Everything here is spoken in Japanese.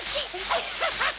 アハハハ！